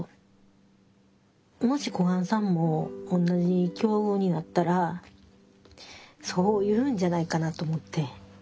もし小雁さんもおんなじ境遇になったらそう言うんじゃないかなと思って。